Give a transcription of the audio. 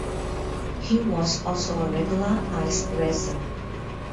He was also a regular ice racer.